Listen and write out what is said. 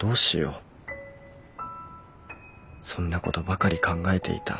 そんなことばかり考えていた